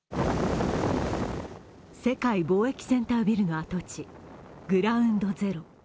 世界貿易センタービルの跡地、グラウンド・ゼロ。